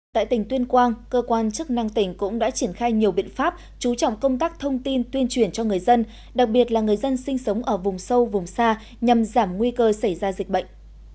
tại tỉnh tuyên quang cơ quan chức năng tỉnh cũng đã triển khai nhiều biện pháp chú trọng công tác thông tin tuyên truyền cho người dân đặc biệt là người dân sinh sống ở vùng sâu vùng xa nhằm giảm nguy cơ xảy ra dịch bệnh